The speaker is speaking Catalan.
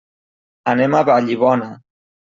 Anem a Vallibona.